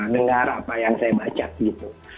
dengar apa yang saya baca gitu